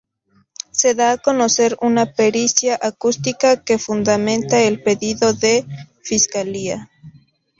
Se da a conocer una pericia acústica que fundamenta el pedido de la Fiscalía.